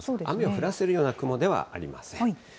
雨を降らせるような雲ではありません。